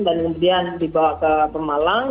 dan kemudian dibawa ke pemalang